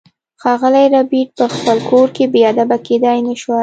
ښاغلی ربیټ په خپل کور کې بې ادبه کیدای نشوای